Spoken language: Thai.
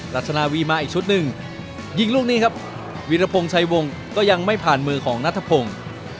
ราชนาวีมาอีกชุดหนึ่งยิงลูกนี้ครับวิรพงศ์ชัยวงก็ยังไม่ผ่านมือของนัทพงศ์